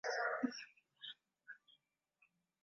kutengwa kwa mazao haramu na migogoro